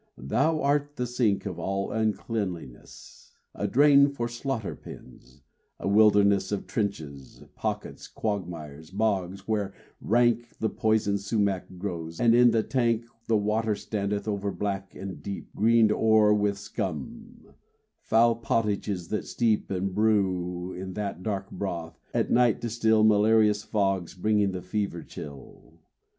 Thou art the sink of all uncleanliness, A drain for slaughter pens, a wilderness Of trenches, pockets, quagmires, bogs where rank The poison sumach grows, and in the tank The water standeth ever black and deep Greened o'er with scum: foul pottages, that steep And brew in that dark broth, at night distil Malarious fogs bringing the fever chill.